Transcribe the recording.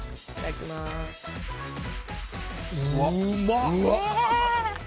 うまっ！